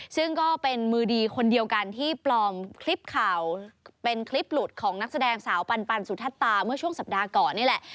ซึ่งก็เป็นมือดีคนเดียวกันที่ปลอมคลิปข่าวเป็นคลิปหลุดของนักแสดงสาวปันสุธัตตาเมื่อช่วงสัปดาห์ก่อนนี่แหละ